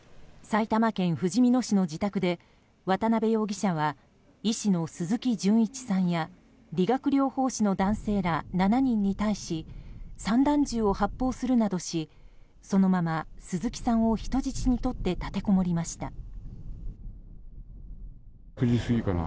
埼玉県ふじみ野市の自宅で渡邊容疑者は医師の鈴木純一さんや理学療法士の男性ら７人に対し散弾銃を発砲するなどしそのまま鈴木さんを人質にとって立てこもりました。